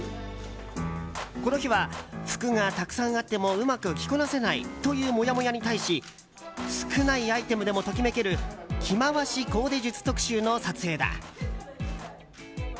この日は服がたくさんあってもうまく着こなせないというモヤモヤに対し少ないアイテムでもときめける着回しコーデ術特集の撮影だ。